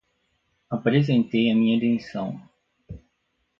Apresentei a minha demissão.